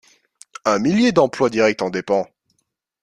Un millier d'emplois directs en dépend.